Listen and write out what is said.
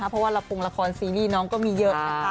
เพราะว่าละครละครซีรีส์น้องก็มีเยอะนะคะ